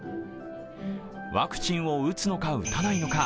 ワクチンを打つのか打たないのか。